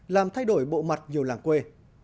làm thay đổi bộ mặt nhiều làng quê